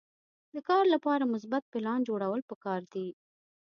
د کار لپاره مثبت پلان جوړول پکار دي.